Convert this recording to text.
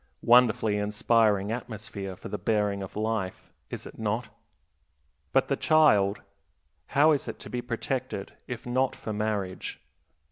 Wonderfully inspiring atmosphere for the bearing of life, is it not? But the child, how is it to be protected, if not for marriage?